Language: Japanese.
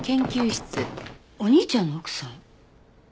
お兄ちゃんの奥さん？